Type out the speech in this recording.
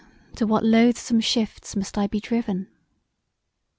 to what loathsome shifts must I be driven?